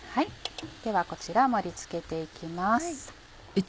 ではこちら盛り付けて行きます。